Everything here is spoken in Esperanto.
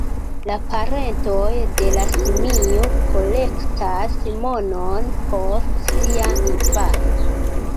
La parentoj de la simio kolektas monon por sia infano.